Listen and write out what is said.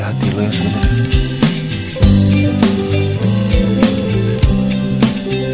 hati lu yang sebenarnya